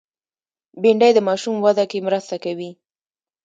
بېنډۍ د ماشوم وده کې مرسته کوي